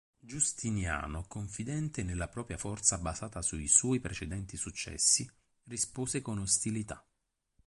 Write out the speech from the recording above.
Giustiniano, confidente nella propria forza basata sui suoi precedenti successi, rispose con ostilità.